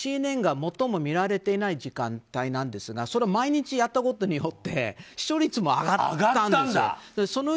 ＣＮＮが最も見られていない時間帯なんですが毎日やったことによって視聴率も上がったんですよ。